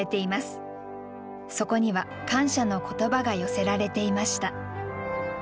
そこには感謝の言葉が寄せられていました。